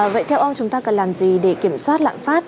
vậy theo ông chúng ta cần làm gì để kiểm soát lạm phát